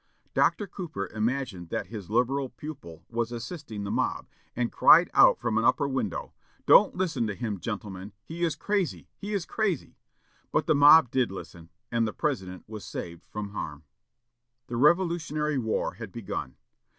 Dr. Cooper imagined that his liberal pupil was assisting the mob, and cried out from an upper window, "Don't listen to him, gentlemen! he is crazy, he is crazy!" But the mob did listen, and the president was saved from harm. The Revolutionary War had begun.